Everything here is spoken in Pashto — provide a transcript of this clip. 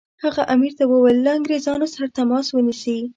هغه امیر ته وویل له انګریزانو سره تماس ونیسي.